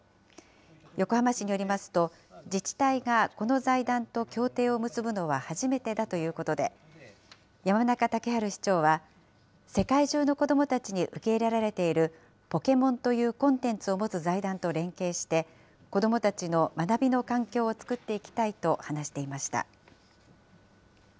横浜市によりますと、自治体がこの財団と協定を結ぶのは初めてだということで、山中竹春市長は、世界中の子どもたちに受け入れられているポケモンというコンテンツを持つ財団と連携して、子どもたちの学びの環境を作っていきた